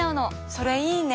それいいね！